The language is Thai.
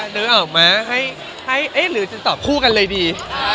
นึกออกไหมให้หรือจะตอบคู่กันเลยดี